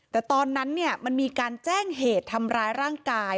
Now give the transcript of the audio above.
แต่ตอนนั้นมันมีการแจ้งเหตุทำร้ายร่างกาย